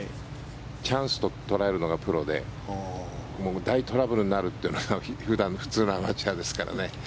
チャンスと捉えるのがプロでトラブルになるのが普通のアマチュアですからね。